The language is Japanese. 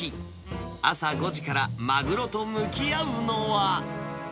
朝５時からマグロと向き合うのは。